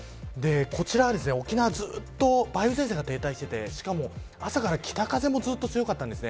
こちらは、沖縄ずっと梅雨前線が停滞していてしかも、朝から北風もずっと強かったんです。